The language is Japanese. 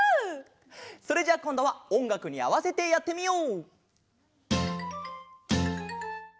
それじゃあこんどはおんがくにあわせてやってみよう！